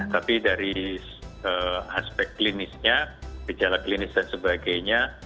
tapi dari aspek klinisnya gejala klinis dan sebagainya